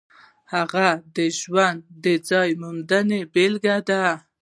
د هغه ژوند د ځان موندنې بېلګه ده.